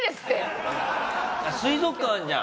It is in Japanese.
水族館あるじゃん！